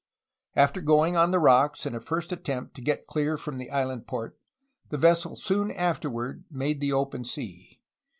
After going on the rocks in a first attempt to get clear from the island port, the vessel soon afterward made the open sea.